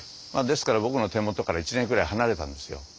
ですから僕の手元から１年くらい離れたんですよ。